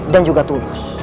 dan juga tulus